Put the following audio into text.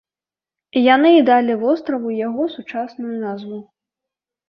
Яны і далі востраву яго сучасную назву.